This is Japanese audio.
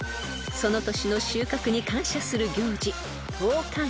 その年の収穫に感謝する行事］